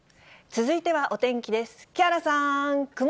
続いてはお天気です。